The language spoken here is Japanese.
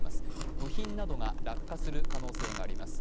部品などが落下する可能性が出ています。